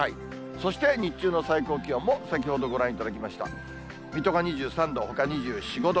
そして日中の最高気温も、先ほどご覧いただきました、水戸が２３度、ほか２４、５度。